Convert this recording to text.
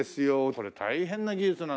これ大変な技術なのよ。